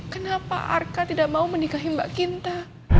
kenapa arka tidak mau menikahi mbak kinta